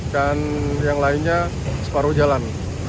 dan yang lainnya separuh jalan